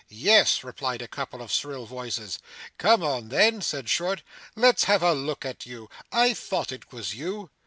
'Yes,' replied a couple of shrill voices. 'Come on then,' said Short. 'Let's have a look at you. I thought it was you.